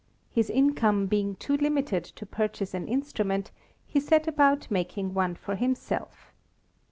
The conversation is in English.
His in come being too limited to purchase an instrument, he set about making one for himself.